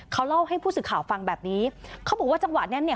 เขาเล่าให้ผู้สื่อข่าวฟังแบบนี้เขาบอกว่าจังหวะนั้นเนี่ย